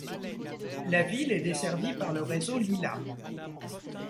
La ville est desservie par le réseau Lila.